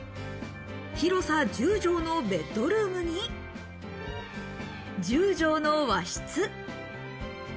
広さ１０畳のベッドルームに、１０畳の和室。